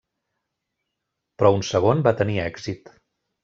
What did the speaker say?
Però un segon va tenir èxit.